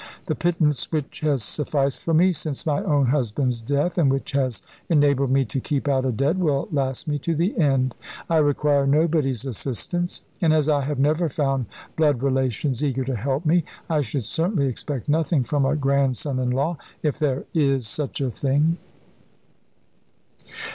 "The pittance which has sufficed for me since my own husband's death, and which has enabled me to keep out of debt, will last me to the end. I require nobody's assistance and as I have never found blood relations eager to help me, I should certainly expect nothing from a grandson in law; if there is such a thing."